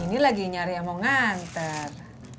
ini lagi nyari yang mau ngantar